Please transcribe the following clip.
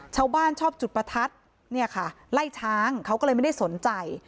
ชอบจุดประทัดเนี่ยค่ะไล่ช้างเขาก็เลยไม่ได้สนใจ